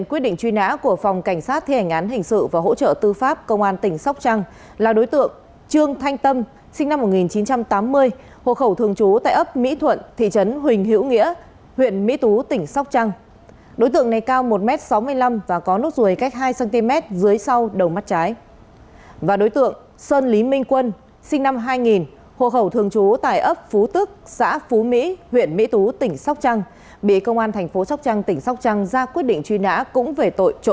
hãy đăng ký kênh để ủng hộ kênh của chúng mình nhé